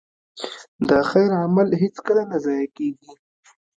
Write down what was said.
د خیر عمل هېڅکله نه ضایع کېږي.